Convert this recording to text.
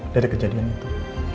dari kejadian itu